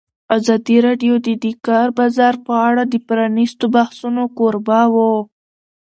ازادي راډیو د د کار بازار په اړه د پرانیستو بحثونو کوربه وه.